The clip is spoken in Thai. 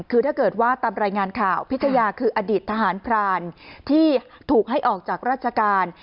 คือถ้าเกิดว่าตามรายงานข่าวพิทยาคืออดีตทหารพรานที่ถูกให้ออกจากราชการ